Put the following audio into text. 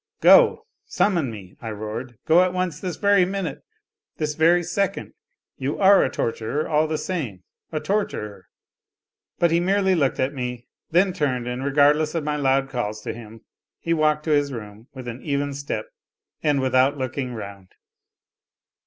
" Go, summon me," I roared, "go at once, this very minute, this very second ! You are a torturer all the same ! a torturer !" But he merely looked at me, then turned, and regardless of my loud calls to him, he walked to his room with an even step and without looking round.